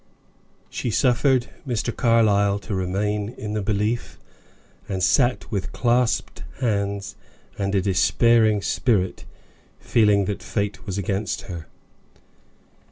She suffered Mr. Carlyle to remain in the belief, and sat with clasped hands and a despairing spirit feeling that fate was against her.